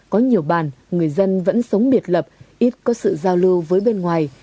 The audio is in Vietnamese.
có nhiều bàn người dân vẫn sống biệt lập ít có sự giao lưu với bên ngoài